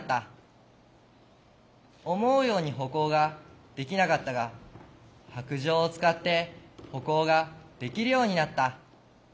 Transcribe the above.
思うように歩行ができなかったが白じょうを使って歩行ができるようになった。